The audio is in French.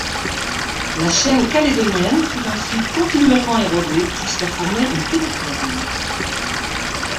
La chaîne calédonienne fut ensuite continuellement érodée jusqu'à former une pénéplaine.